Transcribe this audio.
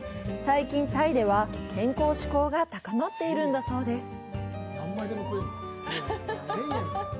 最近、タイでは健康志向が高まっているんだそうです。